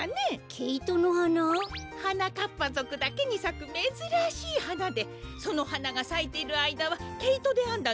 ケイトのはな？はなかっぱぞくだけにさくめずらしいはなでそのはながさいているあいだはけいとであんだ